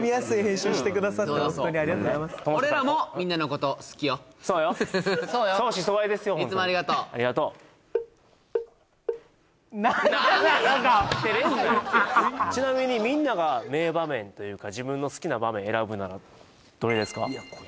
照れんなやちなみにみんなが名場面というか自分の好きな場面選ぶならどれですか？